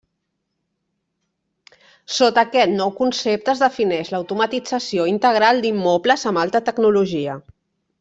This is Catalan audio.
Sota aquest nou concepte es defineix l'automatització integral d'immobles amb alta tecnologia.